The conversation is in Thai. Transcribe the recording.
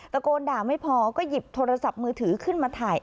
ตะโกนด่าไม่พอก็หยิบโทรศัพท์มือถือขึ้นมาถ่าย